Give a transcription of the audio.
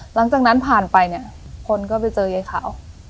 หลังจากนั้นผ่านไปเนี่ยคนก็ไปเจอยายขาว